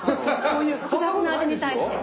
そういう複雑な味に対して。